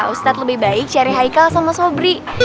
ustadz lebih baik cari haikal sama sobri